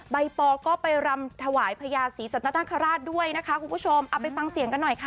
ปอก็ไปรำถวายพญาศรีสัตนคราชด้วยนะคะคุณผู้ชมเอาไปฟังเสียงกันหน่อยค่ะ